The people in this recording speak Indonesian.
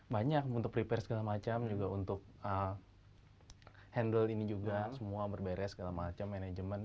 banyak untuk prepare segala macam juga untuk handle ini juga semua berberes segala macam manajemen